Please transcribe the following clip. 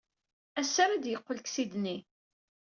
Ass-a ara d-yeqqel seg Sidney.